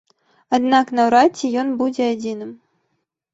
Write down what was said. Аднак наўрад ці ён будзе адзіным.